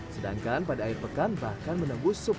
sedangkan pada air pekan bahkan menenggu sepuluh juta rupiah